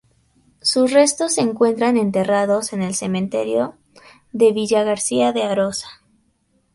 Sus restos se encuentran enterrados en el cementerio de Villagarcía de Arosa.